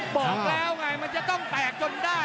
บอกแล้วไงมันจะต้องแตก